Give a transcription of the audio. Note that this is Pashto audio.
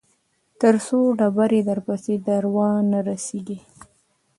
تر څو ډبرې درپسې در ونه رسېږي.